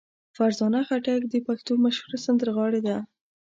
فرزانه خټک د پښتو مشهوره سندرغاړې ده.